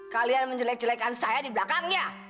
kalian menjele jelekan saya di belakangnya